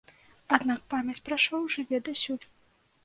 Аднак памяць пра шоў жыве дасюль.